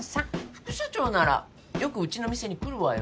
副社長ならよくうちの店に来るわよ。